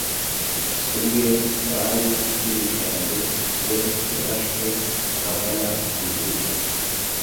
Suge bari bicaranye we yarashwe ahagana kw’irugu